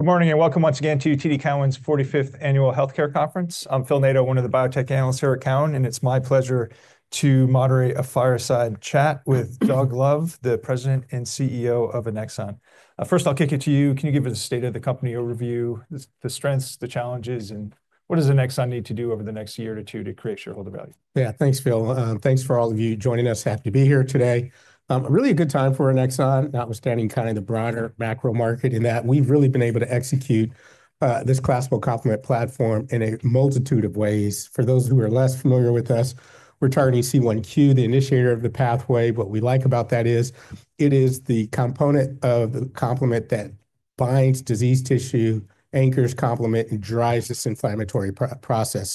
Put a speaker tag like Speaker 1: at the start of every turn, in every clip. Speaker 1: Good morning and welcome once again to TD Cowen's 45th Annual Healthcare Conference. I'm Phil Nado, one of the biotech analysts here at Cowen, and it's my pleasure to moderate a fireside chat with Doug Love, the President and CEO of Annexon. First, I'll kick it to you. Can you give us a state-of-the-company overview, the strengths, the challenges, and what does Annexon need to do over the next year to two to create shareholder value?
Speaker 2: Yeah, thanks, Phil. Thanks for all of you joining us. Happy to be here today. Really a good time for Annexon, notwithstanding kind of the broader macro market in that we've really been able to execute this classical complement platform in a multitude of ways. For those who are less familiar with us, we're targeting C1q, the initiator of the pathway. What we like about that is it is the component of the complement that binds disease tissue, anchors complement, and drives this inflammatory process.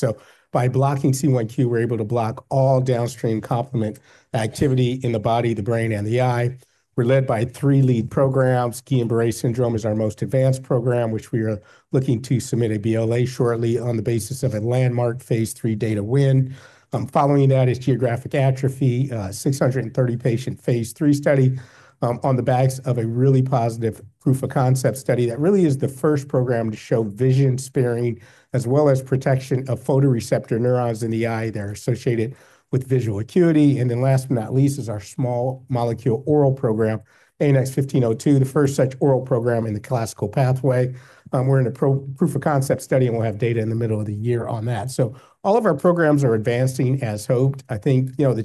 Speaker 2: By blocking C1q, we're able to block all downstream complement activity in the body, the brain, and the eye. We're led by three lead programs. Guillain-Barré syndrome is our most advanced program, which we are looking to submit a BLA shortly on the basis of a landmark phase 3 data win. Following that is geographic atrophy, a 630-patient phase 3 study on the backs of a really positive proof of concept study that really is the first program to show vision sparing as well as protection of photoreceptor neurons in the eye that are associated with visual acuity. Last but not least is our small molecule oral program, ANX1502, the first such oral program in the classical pathway. We're in a proof of concept study and we'll have data in the middle of the year on that. All of our programs are advancing as hoped. I think, you know, the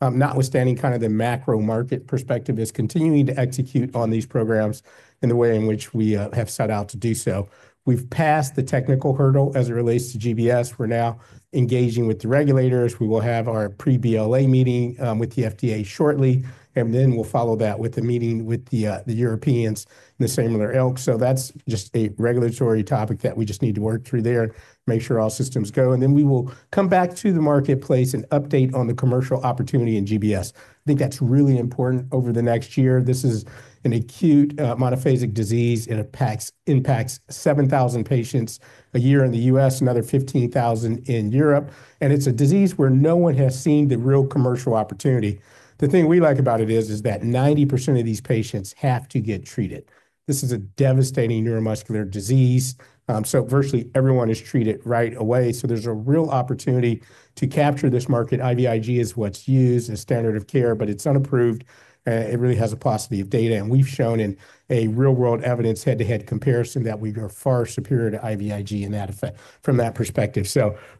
Speaker 2: challenges, notwithstanding kind of the macro market perspective, is continuing to execute on these programs in the way in which we have set out to do so. We've passed the technical hurdle as it relates to GBS. We're now engaging with the regulators. We will have our pre-BLA meeting with the FDA shortly, and then we'll follow that with a meeting with the Europeans in the same or ilk. That is just a regulatory topic that we just need to work through there and make sure all systems go. We will come back to the marketplace and update on the commercial opportunity in GBS. I think that's really important over the next year. This is an acute monophasic disease and it impacts 7,000 patients a year in the U.S., another 15,000 in Europe. It is a disease where no one has seen the real commercial opportunity. The thing we like about it is that 90% of these patients have to get treated. This is a devastating neuromuscular disease. Virtually everyone is treated right away. There is a real opportunity to capture this market. IVIG is what's used as standard of care, but it's unapproved. It really has a paucity of data. We have shown in a real-world evidence head-to-head comparison that we are far superior to IVIG in that effect from that perspective.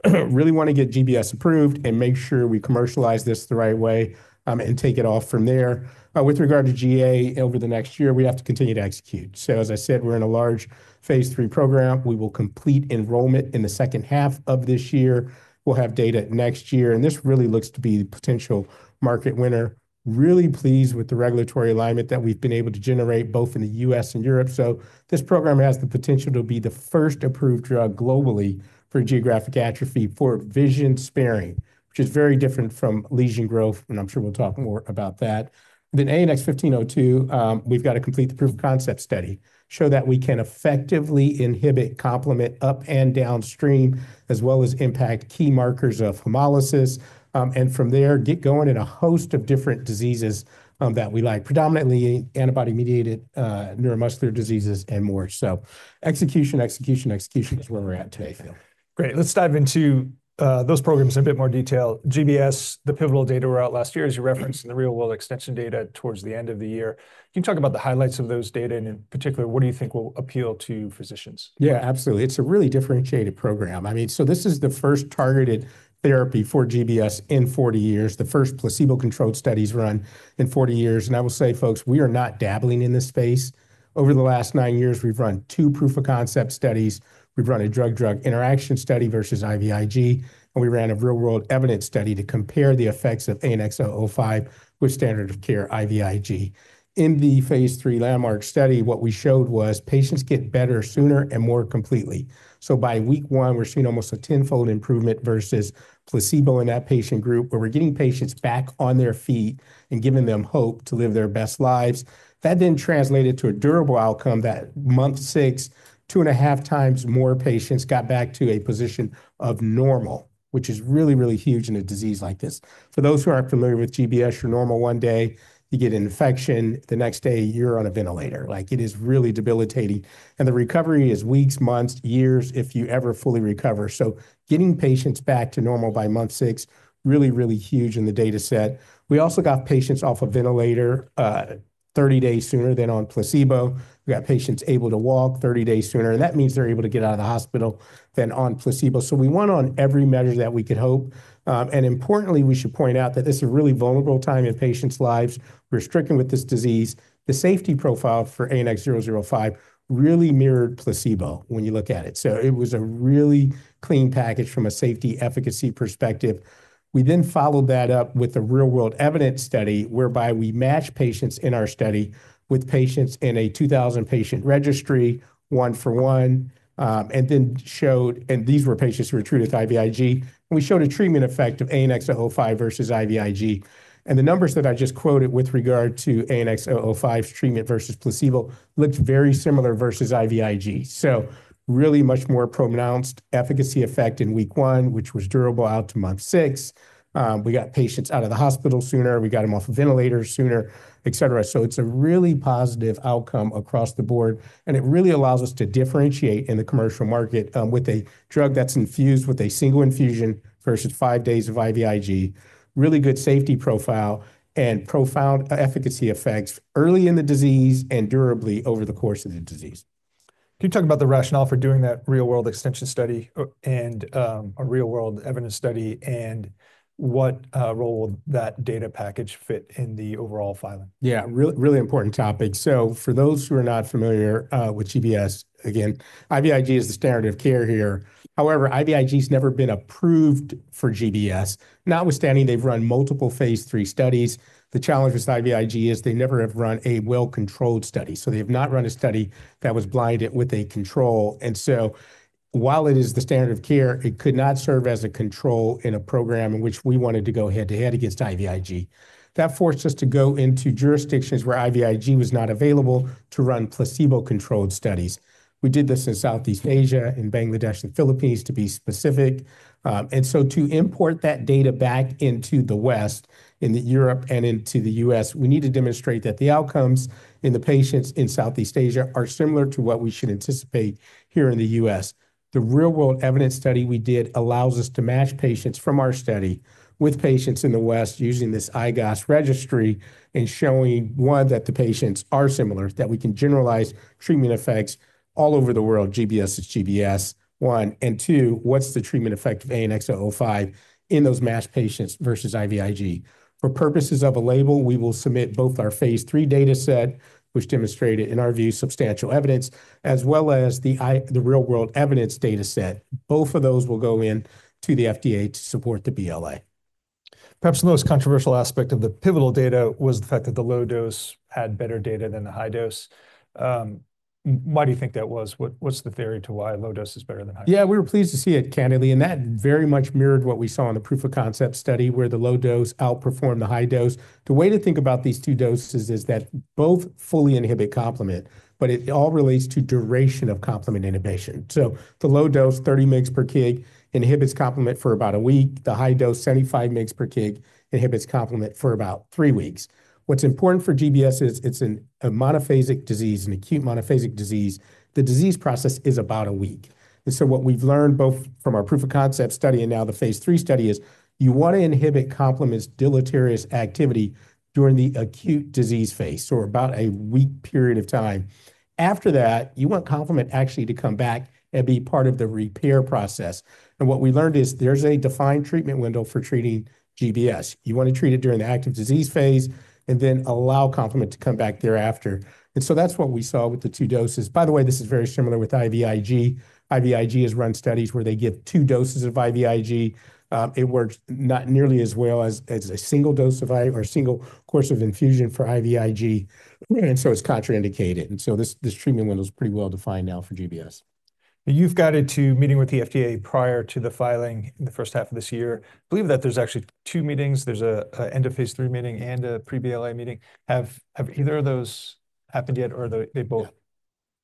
Speaker 2: I really want to get GBS approved and make sure we commercialize this the right way and take it off from there. With regard to GA, over the next year, we have to continue to execute. As I said, we're in a large phase 3 program. We will complete enrollment in the second half of this year. We'll have data next year. This really looks to be the potential market winner. I am really pleased with the regulatory alignment that we have been able to generate both in the U.S. and Europe. This program has the potential to be the first approved drug globally for geographic atrophy for vision sparing, which is very different from lesion growth. I am sure we will talk more about that. Annex 1502, we have to complete the proof of concept study, show that we can effectively inhibit complement up and downstream as well as impact key markers of hemolysis. From there, get going in a host of different diseases that we like, predominantly antibody-mediated neuromuscular diseases and more. Execution, execution, execution is where we are at today, Phil.
Speaker 1: Great. Let's dive into those programs in a bit more detail. GBS, the pivotal data were out last year as you referenced in the real-world extension data towards the end of the year. Can you talk about the highlights of those data and in particular, what do you think will appeal to physicians?
Speaker 2: Yeah, absolutely. It's a really differentiated program. I mean, this is the first targeted therapy for GBS in 40 years, the first placebo-controlled studies run in 40 years. I will say, folks, we are not dabbling in this space. Over the last nine years, we've run two proof of concept studies. We've run a drug-drug interaction study versus IVIG, and we ran a real-world evidence study to compare the effects of ANX005 with standard of care IVIG. In the phase 3 landmark study, what we showed was patients get better sooner and more completely. By week one, we're seeing almost a tenfold improvement versus placebo in that patient group where we're getting patients back on their feet and giving them hope to live their best lives. That then translated to a durable outcome that month six, two and a half times more patients got back to a position of normal, which is really, really huge in a disease like this. For those who aren't familiar with GBS, you're normal one day, you get an infection, the next day you're on a ventilator. Like it is really debilitating. The recovery is weeks, months, years if you ever fully recover. Getting patients back to normal by month six is really, really huge in the data set. We also got patients off a ventilator 30 days sooner than on placebo. We got patients able to walk 30 days sooner. That means they're able to get out of the hospital than on placebo. We went on every measure that we could hope. Importantly, we should point out that this is a really vulnerable time in patients' lives. We're stricken with this disease. The safety profile for ANX005 really mirrored placebo when you look at it. It was a really clean package from a safety efficacy perspective. We then followed that up with a real-world evidence study whereby we matched patients in our study with patients in a 2,000 patient registry, one for one, and then showed, and these were patients who were treated with IVIG. We showed a treatment effect of ANX005 versus IVIG. The numbers that I just quoted with regard to ANX005's treatment versus placebo looked very similar versus IVIG. Really much more pronounced efficacy effect in week one, which was durable out to month six. We got patients out of the hospital sooner. We got them off a ventilator sooner, et cetera. It is a really positive outcome across the board. It really allows us to differentiate in the commercial market with a drug that is infused with a single infusion versus five days of IVIG, really good safety profile and profound efficacy effects early in the disease and durably over the course of the disease.
Speaker 1: Can you talk about the rationale for doing that real-world extension study and a real-world evidence study and what role that data package fit in the overall filing?
Speaker 2: Yeah, really important topic. For those who are not familiar with GBS, again, IVIG is the standard of care here. However, IVIG has never been approved for GBS, notwithstanding they've run multiple phase 3 studies. The challenge with IVIG is they never have run a well-controlled study. They have not run a study that was blinded with a control. While it is the standard of care, it could not serve as a control in a program in which we wanted to go head-to-head against IVIG. That forced us to go into jurisdictions where IVIG was not available to run placebo-controlled studies. We did this in Southeast Asia, in Bangladesh, and the Philippines to be specific. To import that data back into the West, into Europe and into the U.S., we need to demonstrate that the outcomes in the patients in Southeast Asia are similar to what we should anticipate here in the U.S. The real-world evidence study we did allows us to match patients from our study with patients in the West using this IGAS registry and showing, one, that the patients are similar, that we can generalize treatment effects all over the world. GBS is GBS, one. And two, what's the treatment effect of ANX005 in those matched patients versus IVIG? For purposes of a label, we will submit both our phase 3 data set, which demonstrated in our view substantial evidence, as well as the real-world evidence data set. Both of those will go in to the FDA to support the BLA.
Speaker 1: Perhaps the most controversial aspect of the pivotal data was the fact that the low dose had better data than the high dose. Why do you think that was? What's the theory to why low dose is better than high dose?
Speaker 2: Yeah, we were pleased to see it candidly. That very much mirrored what we saw in the proof of concept study where the low dose outperformed the high dose. The way to think about these two doses is that both fully inhibit complement, but it all relates to duration of complement inhibition. The low dose, 30 mg per kg, inhibits complement for about a week. The high dose, 75 mg per kg, inhibits complement for about three weeks. What's important for GBS is it's a monophasic disease, an acute monophasic disease. The disease process is about a week. What we've learned both from our proof of concept study and now the phase 3 study is you want to inhibit complement's deleterious activity during the acute disease phase or about a week period of time. After that, you want complement actually to come back and be part of the repair process. What we learned is there's a defined treatment window for treating GBS. You want to treat it during the active disease phase and then allow complement to come back thereafter. That is what we saw with the two doses. By the way, this is very similar with IVIG. IVIG has run studies where they give two doses of IVIG. It works not nearly as well as a single dose of or a single course of infusion for IVIG. It is contraindicated. This treatment window is pretty well defined now for GBS.
Speaker 1: Now you've gotten to meeting with the FDA prior to the filing in the first half of this year. I believe that there's actually two meetings. There's an end of phase 3 meeting and a pre-BLA meeting. Have either of those happened yet or they both?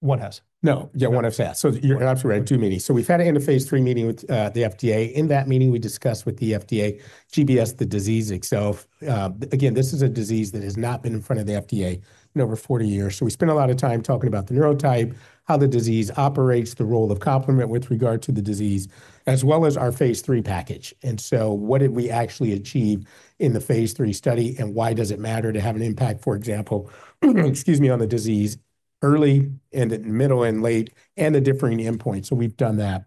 Speaker 1: One has?
Speaker 2: No, yeah, one has had. You're absolutely right, two meetings. We've had an end of phase 3 meeting with the FDA. In that meeting, we discussed with the FDA GBS, the disease itself. Again, this is a disease that has not been in front of the FDA in over 40 years. We spent a lot of time talking about the neurotype, how the disease operates, the role of complement with regard to the disease, as well as our phase 3 package. What did we actually achieve in the phase 3 study and why does it matter to have an impact, for example, excuse me, on the disease early and in the middle and late and the differing endpoints? We've done that.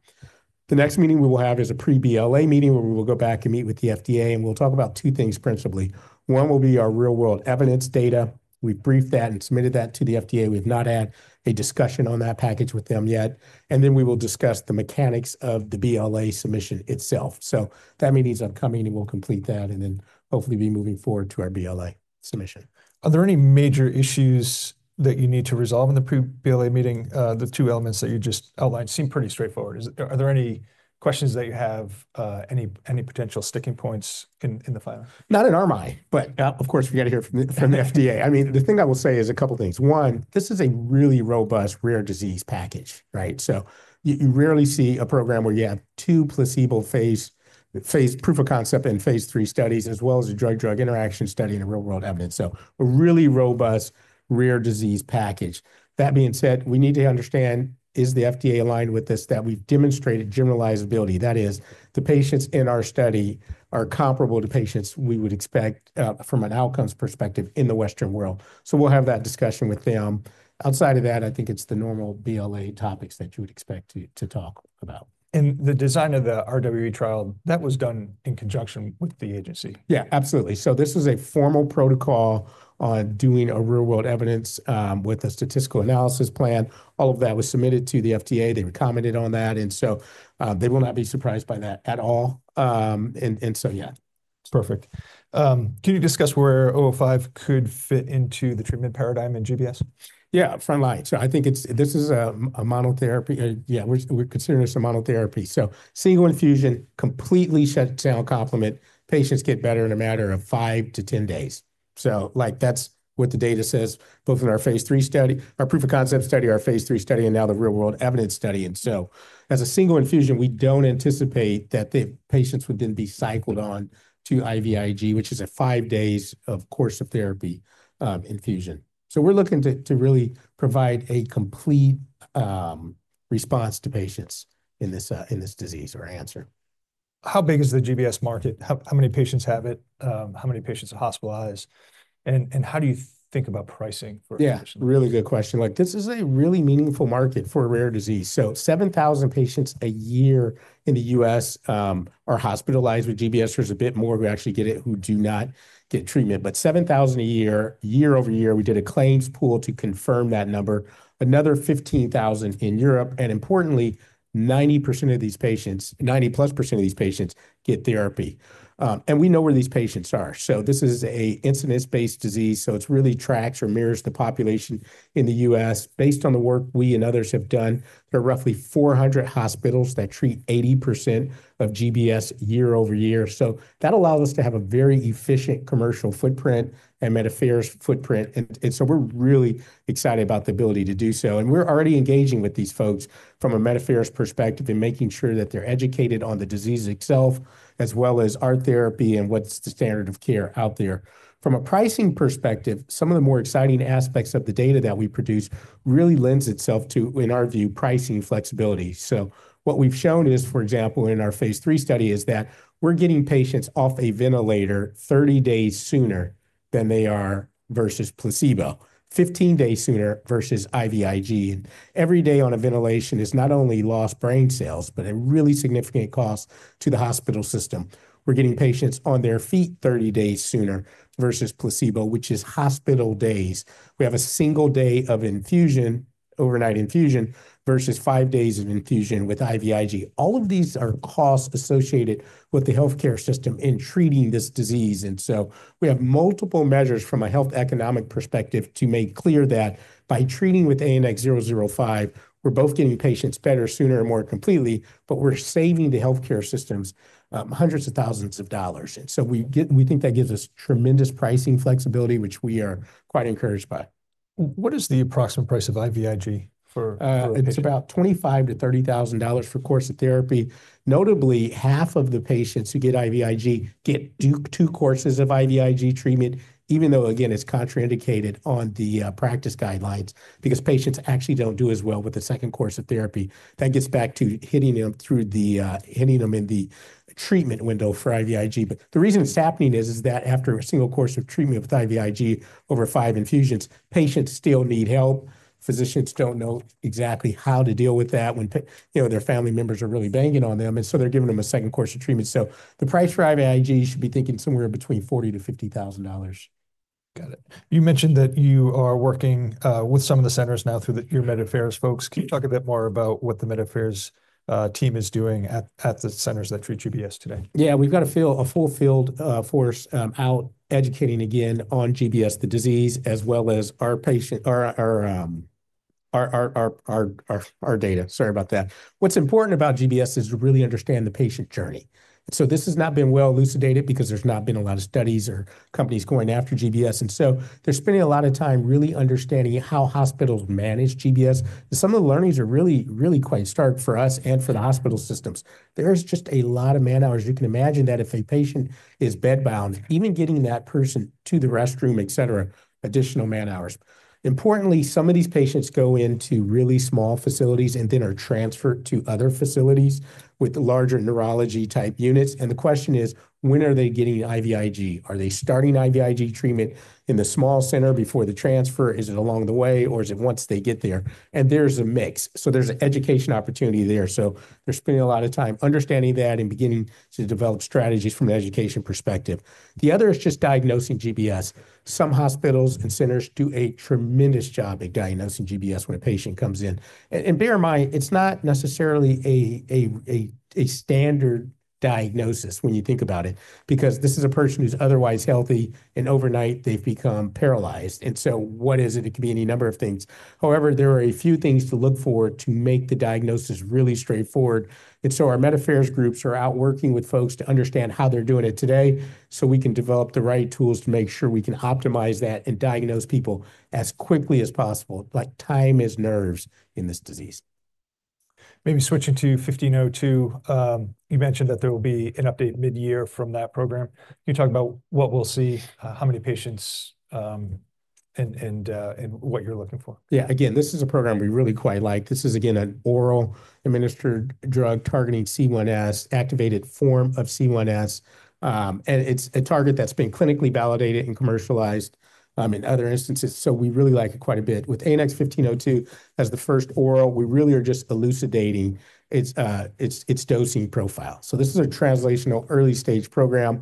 Speaker 2: The next meeting we will have is a pre-BLA meeting where we will go back and meet with the FDA and we'll talk about two things principally. One will be our real-world evidence data. We've briefed that and submitted that to the FDA. We have not had a discussion on that package with them yet. We will discuss the mechanics of the BLA submission itself. That meeting is upcoming and we'll complete that and then hopefully be moving forward to our BLA submission.
Speaker 1: Are there any major issues that you need to resolve in the pre-BLA meeting? The two elements that you just outlined seem pretty straightforward. Are there any questions that you have, any potential sticking points in the filing?
Speaker 2: Not in our mind, but of course we got to hear from the FDA. I mean, the thing I will say is a couple of things. One, this is a really robust rare disease package, right? You rarely see a program where you have two placebo phase proof of concept and phase 3 studies as well as a drug-drug interaction study and a real-world evidence. A really robust rare disease package. That being said, we need to understand, is the FDA aligned with this that we've demonstrated generalizability? That is, the patients in our study are comparable to patients we would expect from an outcomes perspective in the Western world. We will have that discussion with them. Outside of that, I think it's the normal BLA topics that you would expect to talk about.
Speaker 1: The design of the RWE trial, that was done in conjunction with the agency?
Speaker 2: Yeah, absolutely. This was a formal protocol on doing a real-world evidence with a statistical analysis plan. All of that was submitted to the FDA. They commented on that. They will not be surprised by that at all. Yeah.
Speaker 1: Perfect. Can you discuss where O5 could fit into the treatment paradigm in GBS?
Speaker 2: Yeah, front line. I think this is a monotherapy. Yeah, we're considering this a monotherapy. Single infusion, completely shut down complement, patients get better in a matter of five to ten days. That's what the data says, both in our phase 3 study, our proof of concept study, our phase 3 study, and now the real-world evidence study. As a single infusion, we don't anticipate that the patients would then be cycled on to IVIG, which is a five days of course of therapy infusion. We're looking to really provide a complete response to patients in this disease or answer.
Speaker 1: How big is the GBS market? How many patients have it? How many patients are hospitalized? How do you think about pricing for a physician?
Speaker 2: Yeah, really good question. This is a really meaningful market for a rare disease. $7,000 patients a year in the U.S. are hospitalized with GBS. There's a bit more who actually get it who do not get treatment. But $7,000 a year, year-over-year, we did a claims pool to confirm that number. Another 15,000 in Europe. Importantly, 90% of these patients, 90+% of these patients get therapy. We know where these patients are. This is an incidence-based disease. It really tracks or mirrors the population in the U.S. Based on the work we and others have done, there are roughly 400 hospitals that treat 80% of GBS year-over-year. That allows us to have a very efficient commercial footprint and Medicare's footprint. We are really excited about the ability to do so. We are already engaging with these folks from a Medicare's perspective and making sure that they're educated on the disease itself as well as our therapy and what's the standard of care out there. From a pricing perspective, some of the more exciting aspects of the data that we produce really lends itself to, in our view, pricing flexibility. What we've shown is, for example, in our phase 3 study is that we're getting patients off a ventilator 30 days sooner than they are versus placebo, 15 days sooner versus IVIG. Every day on a ventilation is not only lost brain cells, but a really significant cost to the hospital system. We're getting patients on their feet 30 days sooner versus placebo, which is hospital days. We have a single day of infusion, overnight infusion versus five days of infusion with IVIG. All of these are costs associated with the healthcare system in treating this disease. We have multiple measures from a health economic perspective to make clear that by treating with ANX005, we're both getting patients better, sooner, and more completely, but we're saving the healthcare systems hundreds of thousands of dollars. We think that gives us tremendous pricing flexibility, which we are quite encouraged by.
Speaker 1: What is the approximate price of IVIG for?
Speaker 2: It's about $25,000-$30,000 for a course of therapy. Notably, half of the patients who get IVIG get two courses of IVIG treatment, even though, again, it's contraindicated on the practice guidelines because patients actually don't do as well with the second course of therapy. That gets back to hitting them in the treatment window for IVIG. The reason it's happening is that after a single course of treatment with IVIG over five infusions, patients still need help. Physicians don't know exactly how to deal with that when their family members are really banging on them. They are giving them a second course of treatment. The price for IVIG should be thinking somewhere between $40,000-$50,000.
Speaker 1: Got it. You mentioned that you are working with some of the centers now through your Medicare folks. Can you talk a bit more about what the Medicare team is doing at the centers that treat GBS today?
Speaker 2: Yeah, we've got a full field force out educating again on GBS, the disease, as well as our data. Sorry about that. What's important about GBS is to really understand the patient journey. This has not been well elucidated because there's not been a lot of studies or companies going after GBS. They're spending a lot of time really understanding how hospitals manage GBS. Some of the learnings are really, really quite stark for us and for the hospital systems. There is just a lot of man hours. You can imagine that if a patient is bedbound, even getting that person to the restroom, et cetera, additional man hours. Importantly, some of these patients go into really small facilities and then are transferred to other facilities with larger neurology type units. The question is, when are they getting IVIG? Are they starting IVIG treatment in the small center before the transfer? Is it along the way or is it once they get there? There is a mix. There is an education opportunity there. They are spending a lot of time understanding that and beginning to develop strategies from an education perspective. The other is just diagnosing GBS. Some hospitals and centers do a tremendous job at diagnosing GBS when a patient comes in. Bear in mind, it is not necessarily a standard diagnosis when you think about it because this is a person who is otherwise healthy and overnight they have become paralyzed. What is it? It could be any number of things. However, there are a few things to look for to make the diagnosis really straightforward. Our Medicare groups are out working with folks to understand how they're doing it today so we can develop the right tools to make sure we can optimize that and diagnose people as quickly as possible. Time is nerves in this disease.
Speaker 1: Maybe switching to 1502, you mentioned that there will be an update mid-year from that program. Can you talk about what we'll see, how many patients, and what you're looking for?
Speaker 2: Yeah, again, this is a program we really quite like. This is again an oral-administered drug targeting C1s, activated form of C1s. And it's a target that's been clinically validated and commercialized in other instances. So we really like it quite a bit. With ANX1502, as the first oral, we really are just elucidating its dosing profile. This is a translational early-stage program.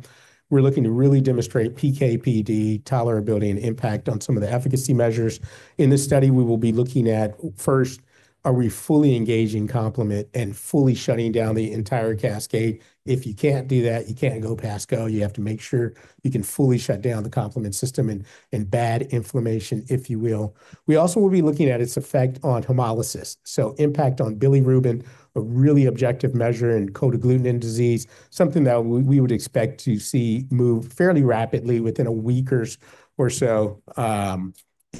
Speaker 2: We're looking to really demonstrate PK/PD tolerability and impact on some of the efficacy measures. In this study, we will be looking at first, are we fully engaging complement and fully shutting down the entire cascade? If you can't do that, you can't go Pascal. You have to make sure you can fully shut down the complement system and bad inflammation, if you will. We also will be looking at its effect on hemolysis. Impact on bilirubin, a really objective measure in cold agglutinin disease, is something that we would expect to see move fairly rapidly within a week or so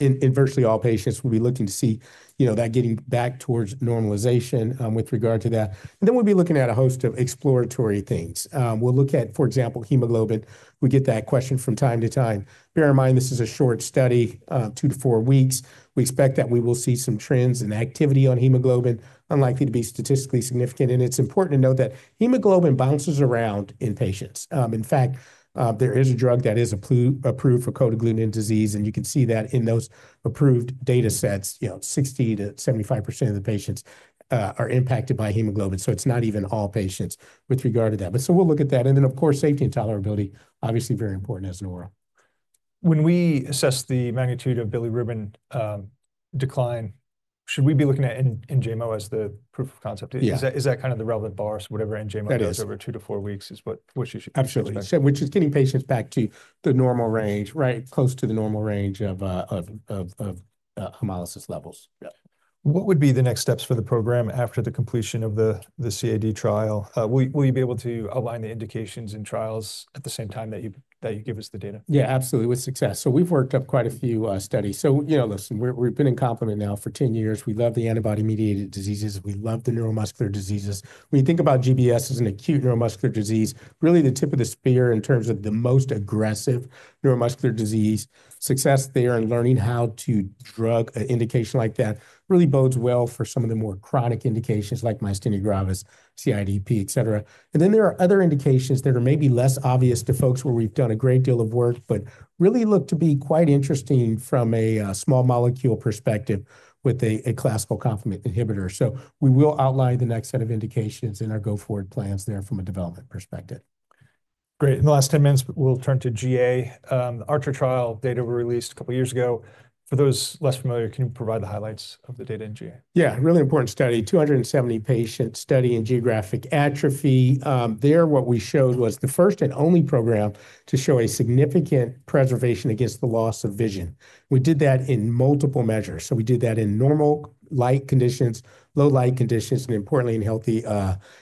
Speaker 2: in virtually all patients. We will be looking to see that getting back towards normalization with regard to that. We will be looking at a host of exploratory things. We will look at, for example, hemoglobin. We get that question from time to time. Bear in mind, this is a short study, two to four weeks. We expect that we will see some trends in activity on hemoglobin, unlikely to be statistically significant. It is important to note that hemoglobin bounces around in patients. In fact, there is a drug that is approved for cold agglutinin disease. You can see that in those approved data sets, 60%-75% of the patients are impacted by hemoglobin. It is not even all patients with regard to that. We will look at that. And then, of course, safety and tolerability, obviously very important as an oral.
Speaker 1: When we assess the magnitude of bilirubin decline, should we be looking at NGMO as the proof of concept? Is that kind of the relevant bar? Whatever NGMO is over two to four weeks is what you should be expecting.
Speaker 2: Absolutely. Which is getting patients back to the normal range, right? Close to the normal range of hemolysis levels.
Speaker 1: What would be the next steps for the program after the completion of the CAD trial? Will you be able to outline the indications and trials at the same time that you give us the data?
Speaker 2: Yeah, absolutely. With success. We've worked up quite a few studies. Listen, we've been in complement now for 10 years. We love the antibody-mediated diseases. We love the neuromuscular diseases. When you think about GBS as an acute neuromuscular disease, really the tip of the spear in terms of the most aggressive neuromuscular disease, success there in learning how to drug indication like that really bodes well for some of the more chronic indications like myasthenia gravis, CIDP, et cetera. There are other indications that are maybe less obvious to folks where we've done a great deal of work, but really look to be quite interesting from a small molecule perspective with a classical complement inhibitor. We will outline the next set of indications in our go forward plans there from a development perspective.
Speaker 1: Great. In the last 10 minutes, we'll turn to GA. Archer trial data were released a couple of years ago. For those less familiar, can you provide the highlights of the data in GA?
Speaker 2: Yeah, really important study, 270 patient study in geographic atrophy. There, what we showed was the first and only program to show a significant preservation against the loss of vision. We did that in multiple measures. We did that in normal light conditions, low light conditions, and importantly, in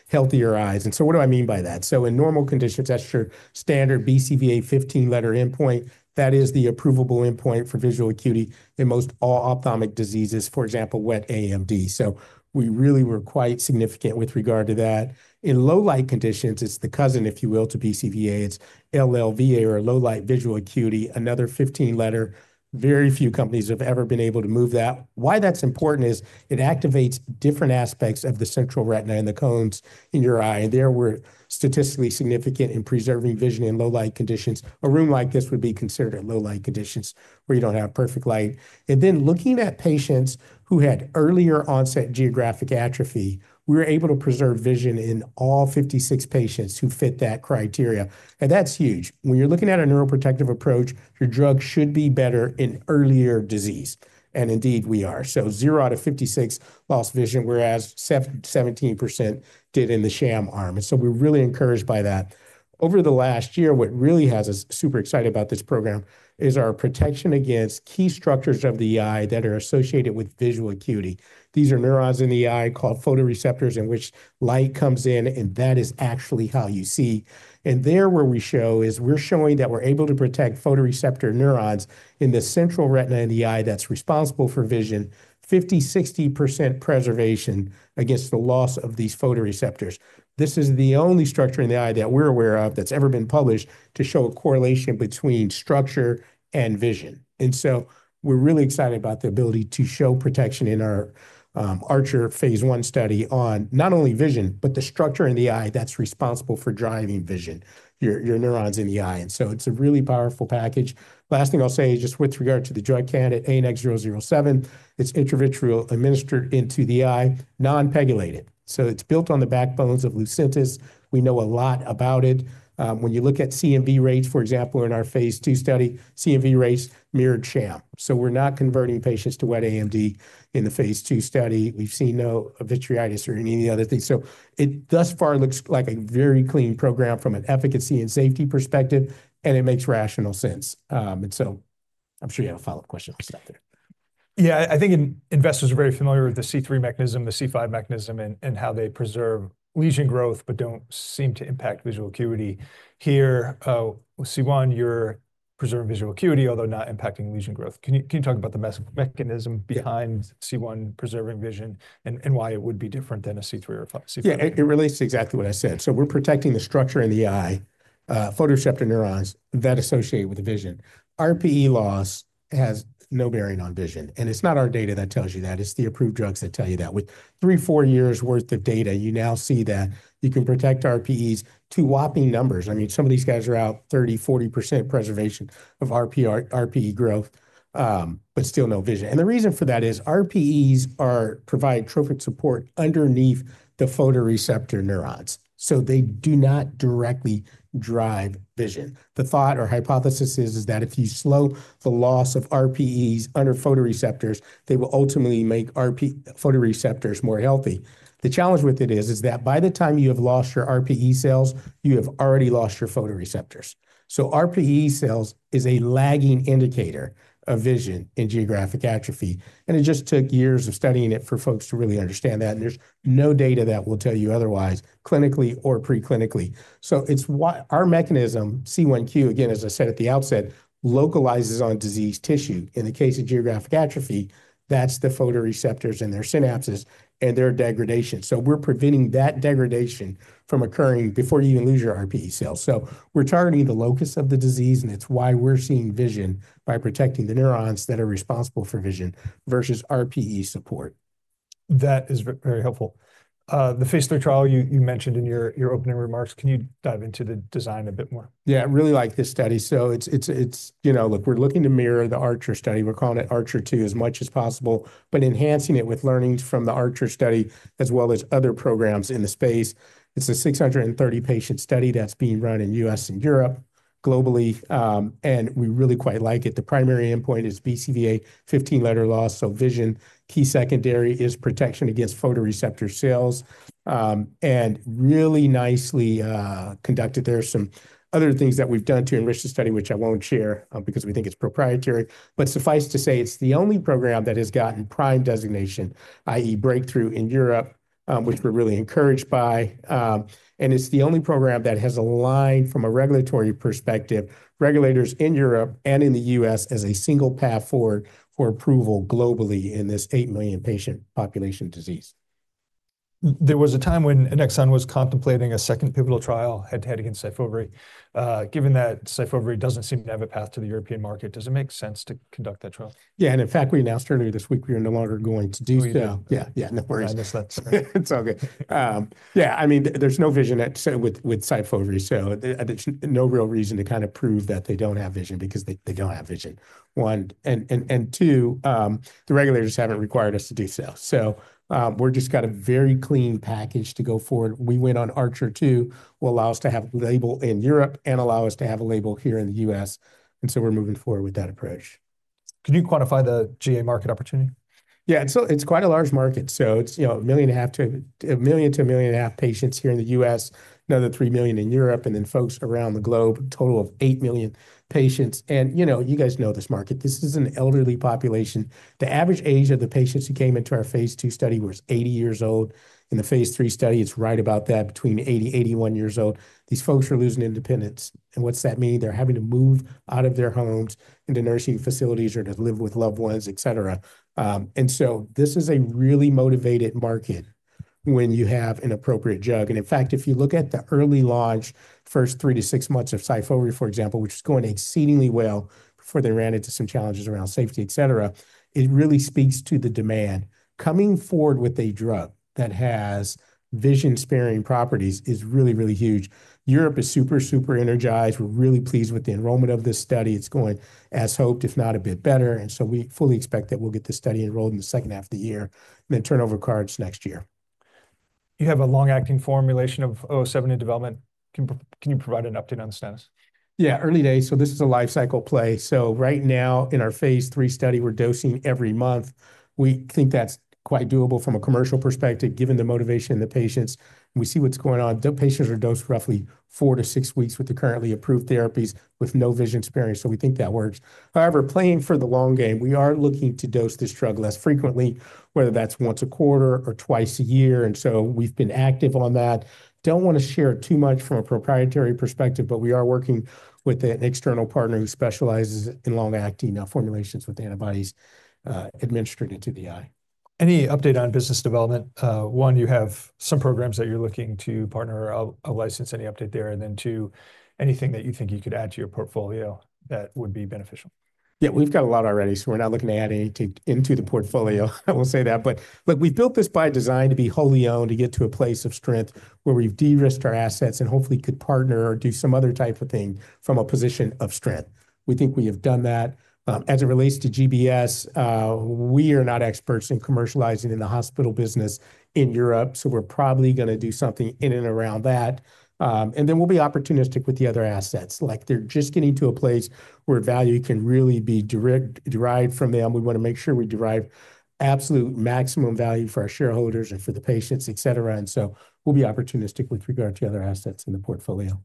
Speaker 2: healthier eyes. What do I mean by that? In normal conditions, that's your standard BCVA 15-letter endpoint. That is the approvable endpoint for visual acuity in most all ophthalmic diseases, for example, wet AMD. We really were quite significant with regard to that. In low light conditions, it's the cousin, if you will, to BCVA. It's LLVA or low light visual acuity, another 15-letter. Very few companies have ever been able to move that. Why that's important is it activates different aspects of the central retina and the cones in your eye. There were statistically significant in preserving vision in low light conditions. A room like this would be considered at low light conditions where you don't have perfect light. Looking at patients who had earlier onset geographic atrophy, we were able to preserve vision in all 56 patients who fit that criteria. That's huge. When you're looking at a neuroprotective approach, your drug should be better in earlier disease. Indeed, we are. 0 out of 56 lost vision, whereas 17% did in the sham arm. We're really encouraged by that. Over the last year, what really has us super excited about this program is our protection against key structures of the eye that are associated with visual acuity. These are neurons in the eye called photoreceptors in which light comes in, and that is actually how you see. Where we show is we're showing that we're able to protect photoreceptor neurons in the central retina in the eye that's responsible for vision, 50%-60% preservation against the loss of these photoreceptors. This is the only structure in the eye that we're aware of that's ever been published to show a correlation between structure and vision. We're really excited about the ability to show protection in our Archer phase 1 study on not only vision, but the structure in the eye that's responsible for driving vision, your neurons in the eye. It's a really powerful package. Last thing I'll say is just with regard to the drug candidate, ANX007, it's intravitreal administered into the eye, non-pegylated. It's built on the backbones of Lucentis. We know a lot about it. When you look at CMV rates, for example, in our phase 2 study, CMV rates mirrored sham. We are not converting patients to wet AMD in the phase 2 study. We have seen no vitreitis or any of the other things. It thus far looks like a very clean program from an efficacy and safety perspective, and it makes rational sense. I am sure you have a follow-up question. I will stop there.
Speaker 1: Yeah, I think investors are very familiar with the C3 mechanism, the C5 mechanism, and how they preserve lesion growth, but do not seem to impact visual acuity. Here, C1, you are preserving visual acuity, although not impacting lesion growth. Can you talk about the mechanism behind C1 preserving vision and why it would be different than a C3 or C5?
Speaker 2: Yeah, it relates to exactly what I said. We are protecting the structure in the eye, photoreceptor neurons that associate with the vision. RPE loss has no bearing on vision. It is not our data that tells you that. It is the approved drugs that tell you that. With three, four years' worth of data, you now see that you can protect RPEs to whopping numbers. I mean, some of these guys are out 30%-40% preservation of RPE growth, but still no vision. The reason for that is RPEs provide trophic support underneath the photoreceptor neurons. They do not directly drive vision. The thought or hypothesis is that if you slow the loss of RPEs under photoreceptors, they will ultimately make photoreceptors more healthy. The challenge with it is that by the time you have lost your RPE cells, you have already lost your photoreceptors. RPE cells is a lagging indicator of vision in geographic atrophy. It just took years of studying it for folks to really understand that. There is no data that will tell you otherwise clinically or preclinically. It is our mechanism, C1q, again, as I said at the outset, localizes on disease tissue. In the case of geographic atrophy, that is the photoreceptors and their synapses and their degradation. We are preventing that degradation from occurring before you even lose your RPE cells. We are targeting the locus of the disease, and it is why we are seeing vision by protecting the neurons that are responsible for vision versus RPE support.
Speaker 1: That is very helpful. The phase 3 trial you mentioned in your opening remarks, can you dive into the design a bit more?
Speaker 2: Yeah, I really like this study. Look, we're looking to mirror the Archer study. We're calling it Archer 2 as much as possible, but enhancing it with learnings from the Archer study as well as other programs in the space. It's a 630-patient study that's being run in the U.S. and Europe globally. We really quite like it. The primary endpoint is BCVA 15-letter loss. Vision, key secondary is protection against photoreceptor cells. Really nicely conducted. There are some other things that we've done to enrich the study, which I won't share because we think it's proprietary. Suffice to say, it's the only program that has gotten prime designation, i.e., breakthrough in Europe, which we're really encouraged by. It is the only program that has aligned from a regulatory perspective, regulators in Europe and in the U.S. as a single path forward for approval globally in this 8 million patient population disease.
Speaker 1: There was a time when Annexon was contemplating a second pivotal trial head-to-head against Syfovre. Given that Syfovre doesn't seem to have a path to the European market, does it make sense to conduct that trial?
Speaker 2: Yeah. In fact, we announced earlier this week we are no longer going to do so.
Speaker 1: Oh, yeah.
Speaker 2: Yeah, yeah. No worries.
Speaker 1: I missed that.
Speaker 2: It's okay. Yeah. I mean, there's no vision with Syfovre. So there's no real reason to kind of prove that they don't have vision because they don't have vision. One, and two, the regulators haven't required us to do so. We just got a very clean package to go forward. We went on Archer 2 will allow us to have a label in Europe and allow us to have a label here in the U.S., and we are moving forward with that approach.
Speaker 1: Can you quantify the GA market opportunity?
Speaker 2: Yeah. It is quite a large market. It is a million and a half to a million to a million and a half patients here in the U.S., another 3 million in Europe, and then folks around the globe, a total of 8 million patients. You guys know this market. This is an elderly population. The average age of the patients who came into our phase 2 study was 80 years old. In the phase 3 study, it is right about that, between 80, 81 years old. These folks are losing independence. What does that mean? They are having to move out of their homes into nursing facilities or to live with loved ones, et cetera. This is a really motivated market when you have an appropriate drug. In fact, if you look at the early launch, first three to six months of Syfovre, for example, which was going exceedingly well before they ran into some challenges around safety, et cetera, it really speaks to the demand. Coming forward with a drug that has vision-sparing properties is really, really huge. Europe is super, super energized. We're really pleased with the enrollment of this study. It's going as hoped, if not a bit better. We fully expect that we'll get the study enrolled in the second half of the year and then turn over cards next year.
Speaker 1: You have a long-acting formulation of 007 in development. Can you provide an update on the status?
Speaker 2: Yeah. Early days. This is a life cycle play. Right now in our phase 3 study, we're dosing every month. We think that's quite doable from a commercial perspective given the motivation of the patients. We see what's going on. The patients are dosed roughly four to six weeks with the currently approved therapies with no vision sparing. We think that works. However, playing for the long game, we are looking to dose this drug less frequently, whether that's once a quarter or twice a year. We have been active on that. I do not want to share too much from a proprietary perspective, but we are working with an external partner who specializes in long-acting formulations with antibodies administered into the eye.
Speaker 1: Any update on business development? One, you have some programs that you're looking to partner or license. Any update there? Two, anything that you think you could add to your portfolio that would be beneficial?
Speaker 2: Yeah, we've got a lot already. We're not looking at anything into the portfolio. I will say that. Look, we built this by design to be wholly owned to get to a place of strength where we've de-risked our assets and hopefully could partner or do some other type of thing from a position of strength. We think we have done that. As it relates to GBS, we are not experts in commercializing in the hospital business in Europe. We're probably going to do something in and around that. We'll be opportunistic with the other assets. Like they're just getting to a place where value can really be derived from them. We want to make sure we derive absolute maximum value for our shareholders and for the patients, et cetera. We'll be opportunistic with regard to other assets in the portfolio.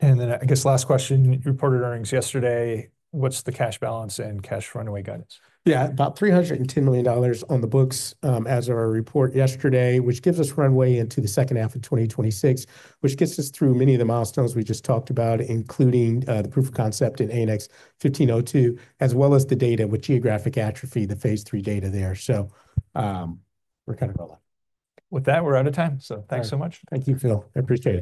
Speaker 1: I guess last question, you reported earnings yesterday. What's the cash balance and cash runway guidance?
Speaker 2: Yeah, about $310 million on the books as of our report yesterday, which gives us runway into the second half of 2026, which gets us through many of the milestones we just talked about, including the proof of concept in ANX1502, as well as the data with geographic atrophy, the phase 3 data there. We're kind of rolling.
Speaker 1: With that, we're out of time. Thanks so much.
Speaker 2: Thank you, Phil. I appreciate it.